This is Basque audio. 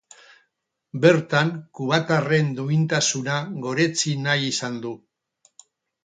Bertan kubatarren duintasuna goretsi nahi izan du.